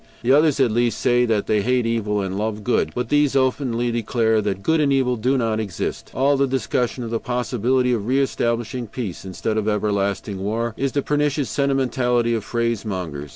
The others, at least, say that they hate evil, and love good, but these openly declare that good and evil do not exist. All discussion of the possibility of re establishing peace instead of everlasting war is the pernicious sentimentality of phrasemongers.